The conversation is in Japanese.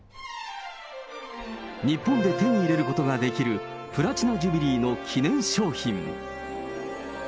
日本で手に入れることができる、プラチナ・ジュビリーの記念商品。